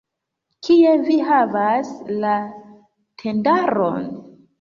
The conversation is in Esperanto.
Kie vi havas la tendaron?